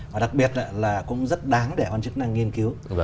và đặc biệt là cũng rất đáng để quan chức năng nghiên cứu